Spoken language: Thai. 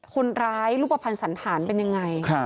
คนร้ายรูปภัณฑ์สันธารเป็นอย่างไร